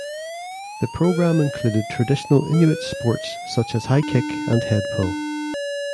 The program included traditional Inuit sports such as high kick and head pull.